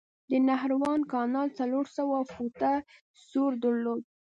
د نهروان کانال څلور سوه فوټه سور درلود.